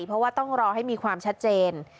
เพราะว่าต้องรอให้มีความชัดเจน